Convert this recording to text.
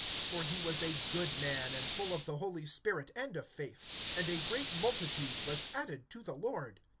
(24)For he was a good man, and full of the Holy Spirit and of faith. And a great multitude was added to the Lord.